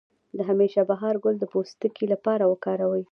د همیش بهار ګل د پوستکي لپاره وکاروئ